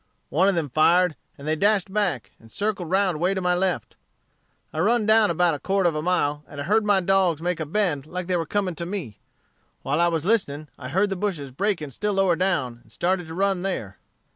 One of them fired, and they dashed back, and circled round way to my left. I run down 'bout a quarter of a mile, and I heard my dogs make a bend like they were coming to me. While I was listening, I heard the bushes breaking still lower down, and started to run there.